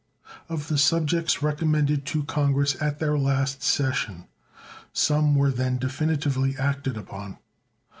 Of the subjects recommended to Congress at their last session, some were then definitively acted upon.